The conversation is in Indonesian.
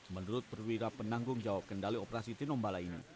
menurut perwira penanggung jawab kendali operasi tinombala ini